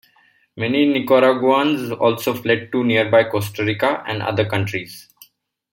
Many Nicaraguans also fled to nearby Costa Rica and other countries.